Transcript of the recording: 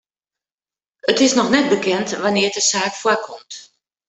It is noch net bekend wannear't de saak foarkomt.